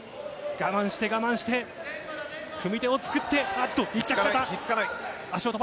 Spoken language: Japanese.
我慢して、我慢して、組み手を作って、あっと。